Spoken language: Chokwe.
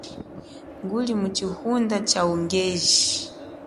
Nguli muchihunda cha ungeji.